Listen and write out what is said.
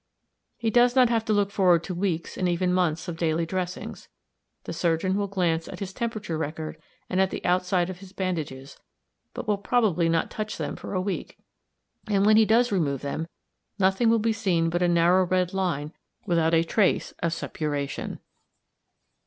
He does not have to look forward to weeks and even months of daily dressings. The surgeon will glance at his temperature record and at the outside of his bandages, but will probably not touch them for a week; and when he does remove them nothing will be seen but a narrow red line without a trace of suppuration.